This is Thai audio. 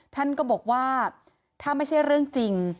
ท่านก็บอกว่าถ้าไม่ใช่เรื่องจริง